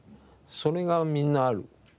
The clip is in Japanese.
それがみんなある。